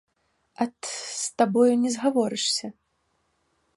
Ат, з табою не згаворышся!